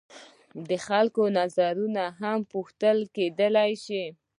د خلکو نظرونه هم پوښتل کیدای شي.